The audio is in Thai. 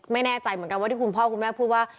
ไม่แน่ใจเหมือนกันว่าที่คุณพ่อคุณแม่พูดว่า